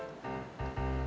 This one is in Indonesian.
kamu lebih baik istirahat